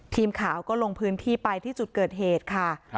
ทีมข่าวก็ลงพื้นที่ไปที่จุดเกิดเหตุค่ะ